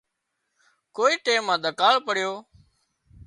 ڪوئي ٽيم مان ۮڪاۯ پڙيو